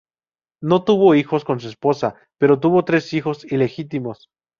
No tuvo hijos con su esposa, pero tuvo tres hijos ilegítimos.